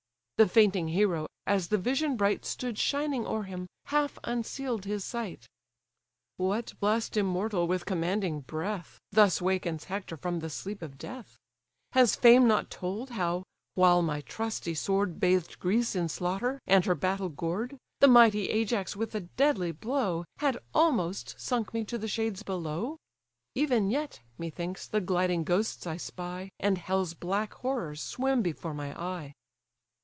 The fainting hero, as the vision bright Stood shining o'er him, half unseal'd his sight: "What blest immortal, with commanding breath, Thus wakens Hector from the sleep of death? Has fame not told, how, while my trusty sword Bathed Greece in slaughter, and her battle gored, The mighty Ajax with a deadly blow Had almost sunk me to the shades below? Even yet, methinks, the gliding ghosts I spy, And hell's black horrors swim before my eye."